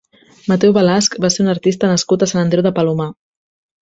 Mateu Balasch va ser un artista nascut a Sant Andreu de Palomar.